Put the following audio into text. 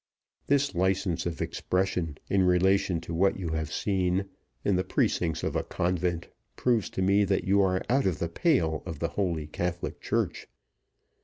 This license of expression in relation to what you have seen in the precincts of a convent proves to me that you are out of the pale of the Holy Catholic Church.